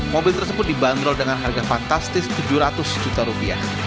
mobil tersebut dibanderol dengan harga fantastis tujuh ratus juta rupiah